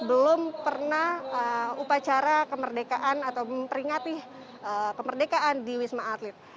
belum pernah upacara kemerdekaan atau memperingati kemerdekaan di wisma atlet